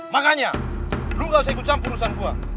makanya lo gak usah ikut campur urusan gue